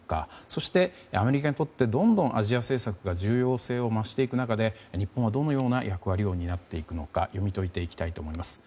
そして、アメリカにとってどんどんアジア政策が重要性を増していく中で日本はどのような役割を担っていくのか読み解いていきたいと思います。